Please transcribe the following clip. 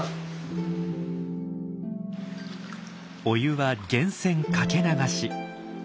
お湯は源泉かけ流し。